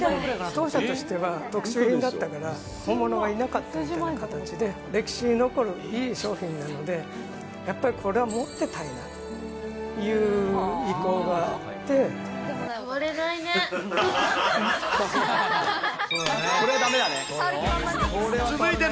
当社としては特注品だったから、本物がいなかったみたいな形で、歴史に残るいい商品なので、やっぱりこれは持ってたいなという意向があって。